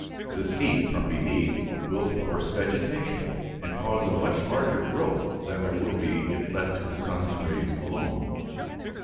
This heat from beneath will force vegetation and cause a much larger growth than there will be if left to the sun's rays alone.